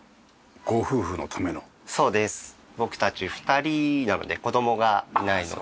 僕たち２人なので子供がいないので。